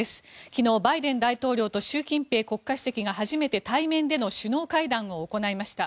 昨日、バイデン大統領と習近平国家主席が初めて対面での首脳会談を行いました。